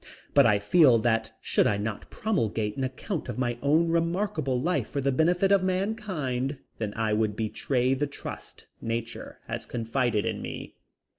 But I feel that should I not promulgate an account of my own remarkable life for the benefit of mankind then I would betray the trust nature has confided in me.